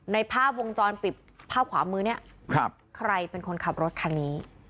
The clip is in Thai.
ในภาพวงจรปิดภาพขวามือเนี่ยใครเป็นคนขับรถคันนี้